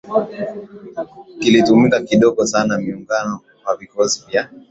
kilitumika kidogo sana miongoni mwa vikosi vya